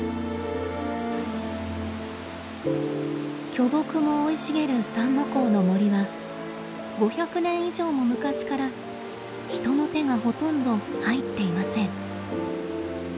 巨木も生い茂る三之公の森は５００年以上も昔から人の手がほとんど入っていません。